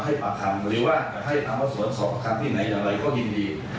หรือว่าก็ให้ท่านวัดสวมสอบประทันที่ไหนอะไรก็ยินดี